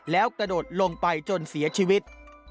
แล้วกระโดดลงไปจนเสียชีวิต